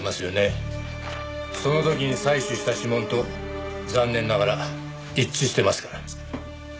その時に採取した指紋と残念ながら一致してますから。